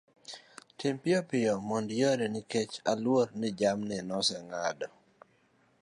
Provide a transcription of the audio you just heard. tim piyo mondo iore nikech aluor ni jamni na oseng'ado